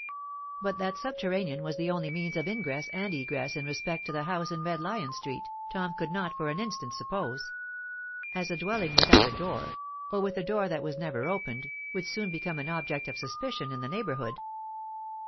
But that the subterranean was the only means of ingress and egress in respect to the house in Red Lion Street, Tom could not for an instant suppose; as a dwelling without a door, or with a door that was never opened, would soon become an object of suspicion in the neighbourhood.